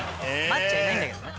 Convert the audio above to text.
待っちゃいないんだけどね。